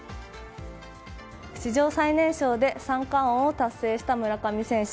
史上最年少で三冠王を達成した村上選手。